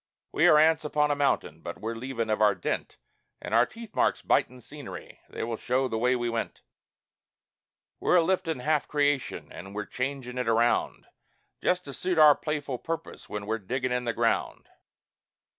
We are ants upon a mountain, but we're leavin' of our dent, An' our teeth marks bitin' scenery they will show the way we went; We're a liftin' half creation, an' we're changin' it around, Just to suit our playful purpose when we're diggin' in the ground.